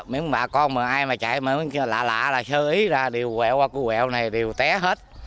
miếng bà con mà ai mà chạy mà lạ lạ là sơ ý ra đều quẹo qua cửa quẹo này đều té hết